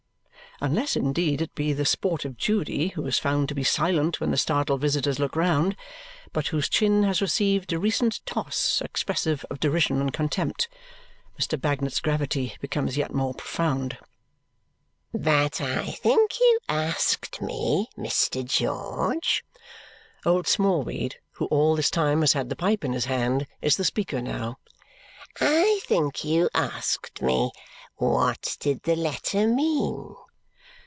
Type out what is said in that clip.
Unless, indeed, it be the sportive Judy, who is found to be silent when the startled visitors look round, but whose chin has received a recent toss, expressive of derision and contempt. Mr. Bagnet's gravity becomes yet more profound. "But I think you asked me, Mr. George" old Smallweed, who all this time has had the pipe in his hand, is the speaker now "I think you asked me, what did the letter mean?"